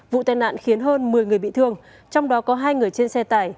vụ tai nạn khiến hơn một mươi người bị thương trong đó có hai người trên xe tải